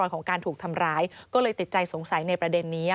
ของการถูกทำร้ายก็เลยติดใจสงสัยในประเด็นนี้